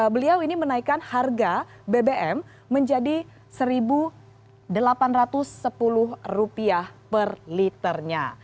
beliau ini menaikkan harga bbm menjadi rp satu delapan ratus sepuluh per liternya